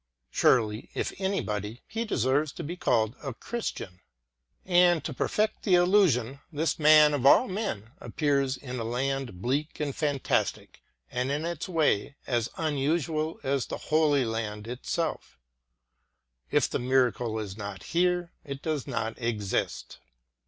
Surely, if anybody, he deserves to be called a Christian. And to perfect the illu sion, this man, of all men, appears in a land bleak and fantastic, and in its way as unusual as the Holy Land itself ! If the miracle is not here, it does not exist.